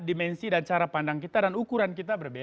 dimensi dan cara pandang kita dan ukuran kita berbeda